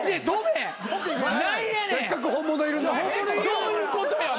どういうことよ